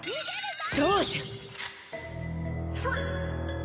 そうじゃ！